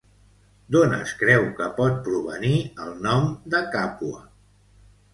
D'on es creu que pot provenir el nom de Càpua?